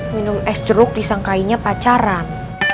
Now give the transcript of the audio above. minum es jeruk disangkainya pacaran